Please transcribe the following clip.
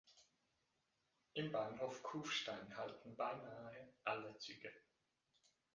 Im Bahnhof Kufstein halten beinahe alle Züge.